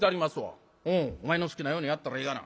「お前の好きなようにやったらええがな」。